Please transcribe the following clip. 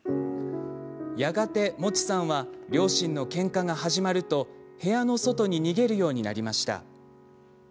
やがて、もちさんは両親のけんかが始まると部屋の外に逃げるようになりました。